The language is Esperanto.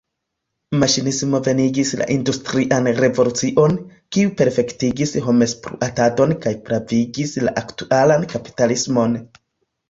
Maŝinismo venigis la industrian revolucion, kiu perfektigis homekspluatadon kaj pravigis la aktualan kapitalismon.